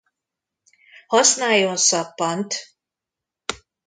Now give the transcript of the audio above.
Használjon szappant!